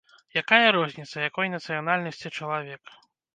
Якая розніца, якой нацыянальнасці чалавек.